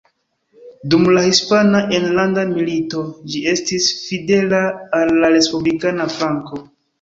Dum la Hispana Enlanda Milito ĝi estis fidela al la respublikana flanko.